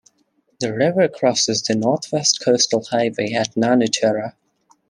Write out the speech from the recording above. The river crosses the North West Coastal Highway at Nanutarra.